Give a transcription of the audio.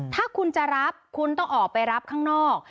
ถ้าคุณจะรับคุณต้องออกไปรับข้างนอก